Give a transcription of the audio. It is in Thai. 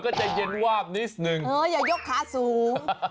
เกือบติวนะมันก็จะเย็นวาบนิดนึงอย่ายกขาสูง